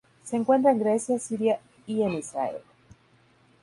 Se encuentra en Grecia, Siria y en Israel.